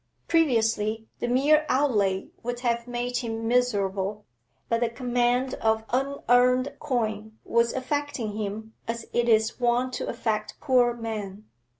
Previously the mere outlay would have made him miserable, but the command of unearned coin was affecting him as it is wont to affect poor men.